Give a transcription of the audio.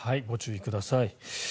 ご注意ください。